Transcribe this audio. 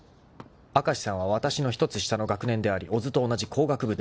［明石さんはわたしの１つ下の学年であり小津と同じ工学部である］